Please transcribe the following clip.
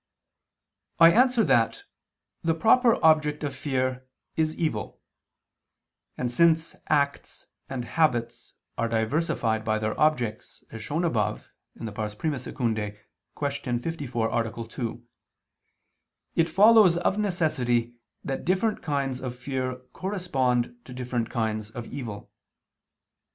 I answer that, The proper object of fear is evil. And since acts and habits are diversified by their objects, as shown above (I II, Q. 54, A. 2), it follows of necessity that different kinds of fear correspond to different kinds of evil.